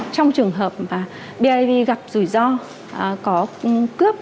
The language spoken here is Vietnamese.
trong trường hợp biav gặp rủi ro có cướp